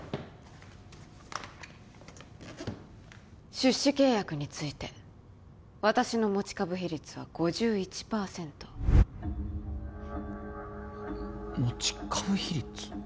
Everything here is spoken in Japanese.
出資契約について私の持ち株比率は５１％持ち株比率？